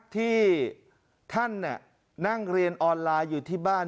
ที่ท่านนั่งเรียนออนไลน์อยู่ที่บ้าน